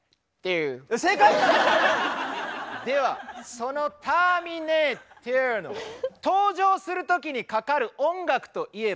その「ターミネーター」の登場する時にかかる音楽といえば。